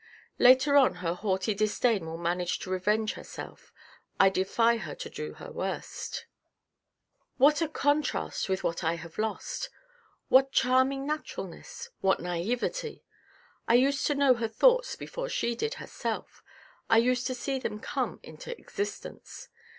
" Later on her haughty disdain will manage to revenge her self. I defy her to do her worst. What a contrast with what QUEEN MARGUERITE 307 I have lost ! What charming naturalness ? What naivety ! I used to know her thoughts before she did herself. I used to see them come into existence.